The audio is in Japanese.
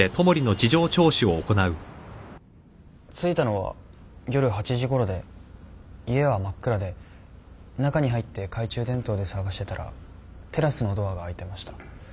着いたのは夜８時ごろで家は真っ暗で中に入って懐中電灯で捜してたらテラスのドアが開いてました。